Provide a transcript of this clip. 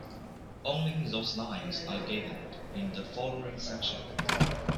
Only those lines are given in the following section.